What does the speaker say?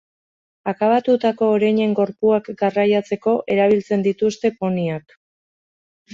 Akabatutako oreinen gorpuak garraiatzeko erabiltzen dituzte poniak.